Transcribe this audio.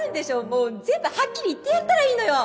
もう全部はっきり言ってやったらいいのよ！